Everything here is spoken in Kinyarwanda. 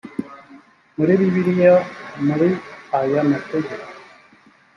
muri bibiliya mur aya mategeko